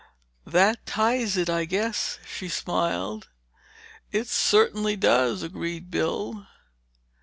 "That ties it, I guess," she smiled. "It certainly does!" agreed Bill.